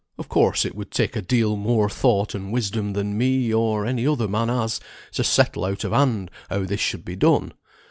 Of course it would take a deal more thought and wisdom than me, or any other man has, to settle out of hand how this should be done.